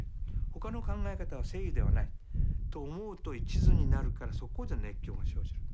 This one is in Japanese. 他の考え方は正義ではないと思うと一途になるからそこで熱狂が生じる。